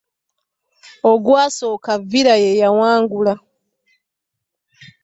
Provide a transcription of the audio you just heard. Ogwasooka villa yeyawangula.